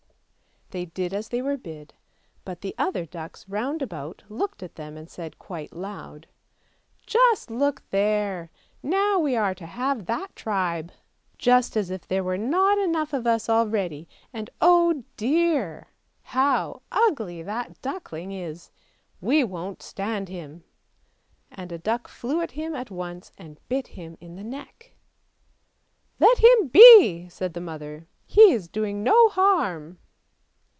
" They did as they were bid, but the other ducks round about looked at them arid said, quite loud; " Just look there! now we are to have that tribe! just as if there were not enough of us already, and, oh dear! how ugly that duckling is, we won't stand him! " and a duck flew at him at once and bit him in the neck. " Let him be," said the mother; " he is doing no harm."